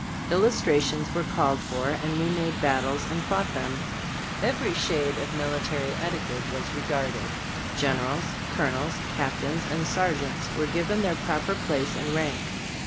Illustrations were called for, and we made battles and fought them. Every shade of military etiquette was regarded. Generals, colonels, cap tains and sergeants were given their proper place and rank.